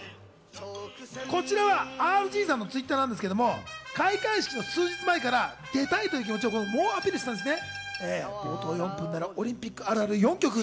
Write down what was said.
こちらはＲＧさんのＴｗｉｔｔｅｒなんですが、開会式の数日前から出たいという気持ちを猛アピールしていたんですよね。